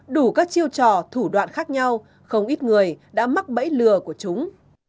đủ các chiêu trò thủ đoạn khác nhau không ít người đã mắc bẫy lừa của chúng